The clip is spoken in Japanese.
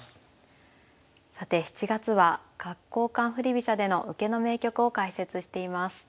さて７月は角交換振り飛車での受けの名局を解説しています。